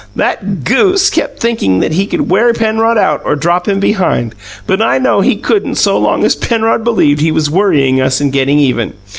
That GOOSE kept thinking he could wear Penrod out or drop him behind, but I knew he couldn't so long as Penrod believed he was worrying us and getting even.